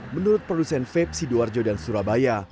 menurut produksen veb sidoarjo dan surabaya